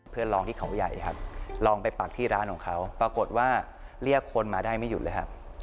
เพื่อลองที่เขาใหญ่ครับลองไปปักที่ร้านของเขาปรากฏว่าเรียกคนมาได้ไม่หยุดเลยครับ